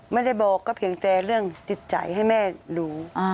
ไม่ได้บอกก็เพียงแต่เรื่องจิตใจให้แม่รู้